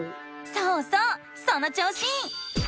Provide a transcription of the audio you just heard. そうそうその調子！